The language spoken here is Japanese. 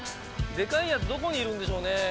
でかいやつどこにいるんでしょうねぇ。